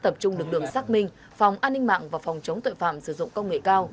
phòng an ninh mạng và phòng chống tội phạm sử dụng công nghệ cao